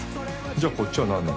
じゃあこっちはなんなの？